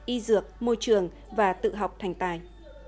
y dược môi trường và tự học thành tài